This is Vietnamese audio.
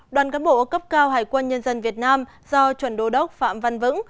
đoàn cán bộ cấp cao hải quân nhân dân việt nam do chuẩn đô đốc phạm văn vững